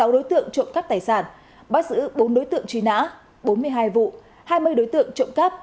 sáu đối tượng trộm cắp tài sản bắt giữ bốn đối tượng truy nã bốn mươi hai vụ hai mươi đối tượng trộm cắp